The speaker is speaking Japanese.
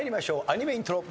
アニメイントロ。